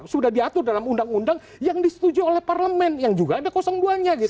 sudah diatur dalam undang undang yang disetujui oleh parlemen yang juga ada dua nya